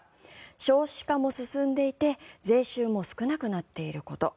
少子化も進んでいて税収も少なくなっていること。